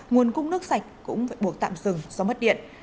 nguồn cung nước sạch cũng phải buộc tạm dừng do mất điện